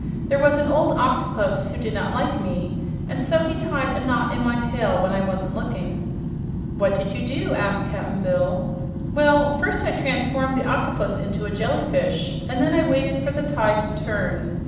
There was an old octopus who did not like me, and so he tied a knot in my tail when I wasn't looking." "What did you do?" asked Cap'n Bill. "Well, first I transformed the octopus into a jellyfish, and then I waited for the tide to turn.